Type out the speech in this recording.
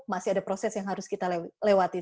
masih ada proses yang harus kita lewati